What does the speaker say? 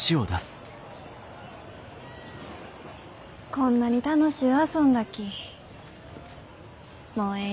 こんなに楽しゅう遊んだきもうえいね。